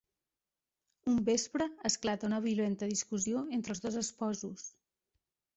Un vespre, esclata una violenta discussió entre els dos esposos.